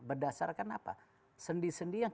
berdasarkan apa sendi sendi yang